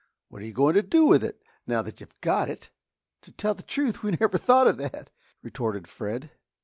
What are you going to do with it, now that you've got it?" "To tell the truth, we never thought of that," retorted Fred.